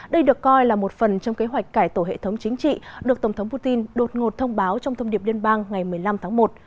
đây được coi là một phần trong kế hoạch cải tổ hệ thống chính trị được tổng thống putin đột ngột thông báo trong thông điệp liên bang ngày một mươi năm tháng một